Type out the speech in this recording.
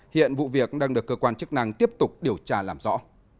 hiện vụ việc đang được cơ quan chức năng tiếp tục điều tra làm rõ